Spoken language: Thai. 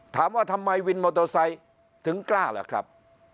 ถามว่าทำไมวินมอเตอร์ไซค์ถึงกล้าล่ะครับ